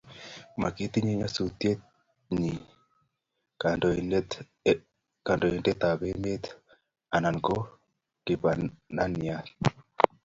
Momekiy nyasutiet ngi kandoindetab emet anan ko kibaniat